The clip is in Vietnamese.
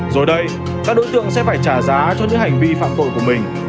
rồi đây các đối tượng sẽ phải trả giá cho những hành vi phạm tội của mình